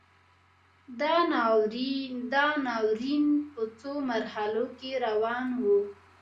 دا ناورین په څو مرحلو کې روان و.